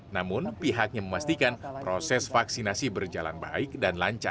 namun pihaknya memastikan proses vaksinasi berjalan baik dan lancar